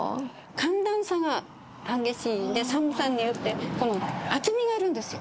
寒暖差が激しいんで、寒さによって、厚みがあるんですよ。